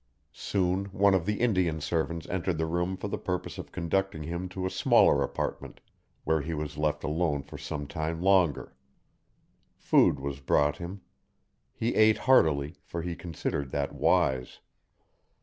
Soon one of the Indian servants entered the room for the purpose of conducting him to a smaller apartment, where he was left alone for some time longer. Food was brought him. He ate heartily, for he considered that wise.